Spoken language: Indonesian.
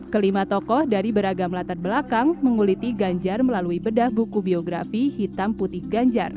kelima tokoh dari beragam latar belakang menguliti ganjar melalui bedah buku biografi hitam putih ganjar